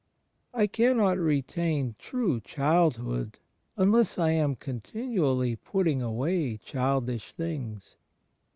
I cannot retain true Childhood unless I am continually putting away childish things.